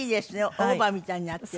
オーバーみたいになってる。